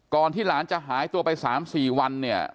ก่อนที่หลานจะหายเถอะไป๓๔วัน